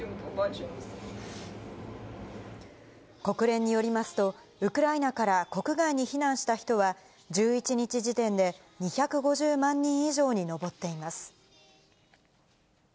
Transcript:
国連によりますと、ウクライナから国外に避難した人は、１１日時点で２５０万人以上に上っています。